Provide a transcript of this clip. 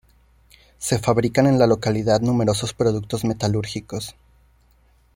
Se fabrican en la localidad numerosos productos metalúrgicos.